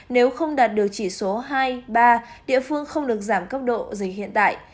nếu không đạt được chỉ số hai ba địa phương không được giảm cấp độ dịch hiện tại